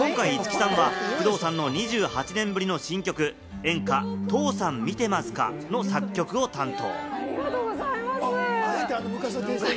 今回、五木さんは工藤さんの２８年ぶりの新曲、演歌『父さん見てますか』の作曲を担当。